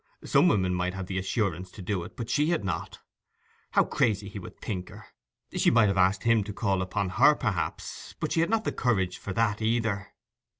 Some women might have the assurance to do it, but she had not. How crazy he would think her. She might have asked him to call upon her, perhaps; but she had not the courage for that, either.